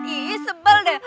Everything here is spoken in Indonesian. iya sebel deh